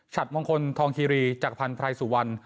ฉัดมงคลทองคิรีจากพันธุ์ไพรสุวรรณ